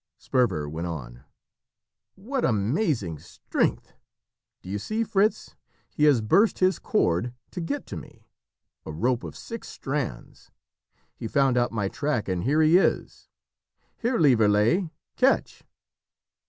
Sperver went on "What amazing strength! Do you see, Fritz, he has burst his cord to get to me a rope of six strands; he found out my track and here he is! Here, Lieverlé, catch!"